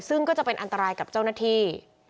ซึ่งก็จะเป็นอันตรายกับเจ้าหน้าที่